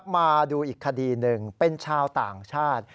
มาดูอีกคดีหนึ่งเป็นชาวต่างชาติ